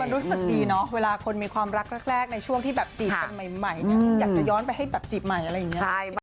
รู้สึกดีเนาะเวลาคนมีความรักแรกในช่วงที่แบบจีบกันใหม่เนี่ยอยากจะย้อนไปให้แบบจีบใหม่อะไรอย่างนี้